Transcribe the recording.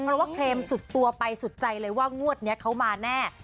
เพราะว่าเคลมสุดตัวไปสุดใจเลยว่างวดนี้เขามาแน่